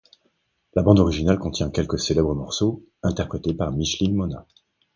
La bande-originale contient quelques célèbres morceaux, interprétés par Micheline Mona.